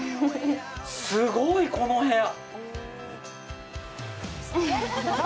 すごい、この部屋！